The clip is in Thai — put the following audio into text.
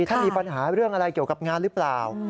ท่านมีปัญหาเรื่องอะไรเกี่ยวกับงานหรือเปล่า